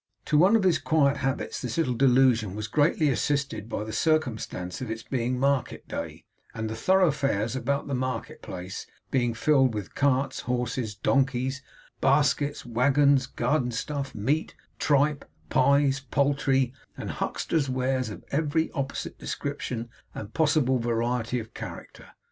To one of his quiet habits this little delusion was greatly assisted by the circumstance of its being market day, and the thoroughfares about the market place being filled with carts, horses, donkeys, baskets, waggons, garden stuff, meat, tripe, pies, poultry and huckster's wares of every opposite description and possible variety of character.